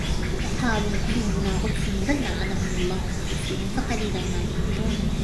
وَقَالُوا قُلُوبُنَا غُلْفٌ بَلْ لَعَنَهُمُ اللَّهُ بِكُفْرِهِمْ فَقَلِيلًا مَا يُؤْمِنُونَ